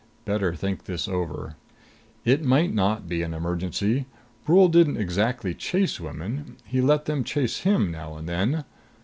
Better think this over. It might not be an emergency. Brule didn't exactly chase women. He let them chase him now and then.